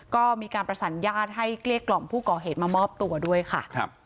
ก็มีการประสานญาติให้เกลี้ยกล่อมผู้ก่อเหตุมามอบตัวด้วยค่ะ